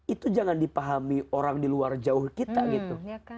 itu jangan dipahami orang di luar jauh kita gitu